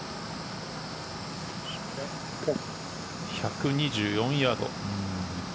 １２４ヤード。